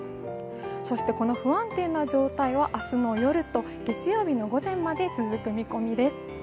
そして、この不安定な状態は明日の夜と月曜日の午前まで続く見込みです。